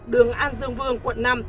đường an dương vương quận năm